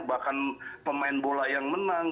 bahkan pemain bola yang menang